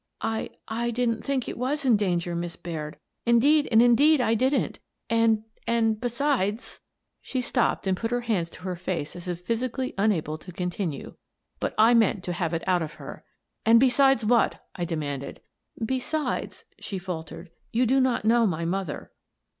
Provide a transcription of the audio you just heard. " "I — I didn't think it was in danger, Miss Baird. Indeed and indeed I didn't and — and — be sides— " She stopped and put her hands to her face as if physically unable to continue. But I meant to have it out of her. " And besides what ?" I demanded. " Besides," she faltered, " you do not know my mother."